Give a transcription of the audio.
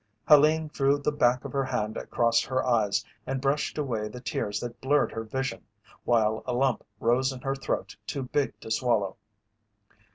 Helene drew the back of her hand across her eyes and brushed away the tears that blurred her vision, while a lump rose in her throat too big to swallow.